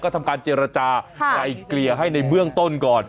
ทำการเจรจาไกลเกลี่ยให้ในเบื้องต้นก่อน